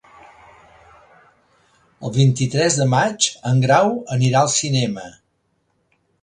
El vint-i-tres de maig en Grau anirà al cinema.